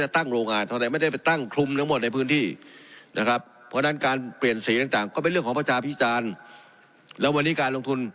ทั้งหมดในพื้นที่นะครับเพราะดันการเปลี่ยนสีดังเป็นเรื่องของพระเจ้าพิชาแล้ววันนี้การลงทุน